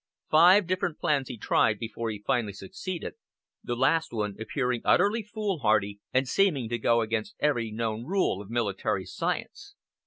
Five different plans he tried before he finally succeeded, the last one appearing utterly foolhardy, and seeming to go against every known rule of military science.